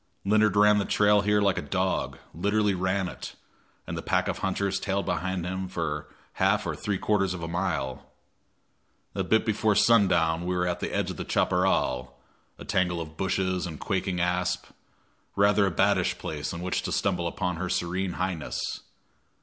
Leonard ran the trail here like a dog, literally ran it, and the pack of hunters tailed behind him for a half or three quarters of a mile. A bit before sundown we were at the edge of the chaparral a tangle of bushes and quaking asp rather a baddish place in which to stumble upon her serene highness.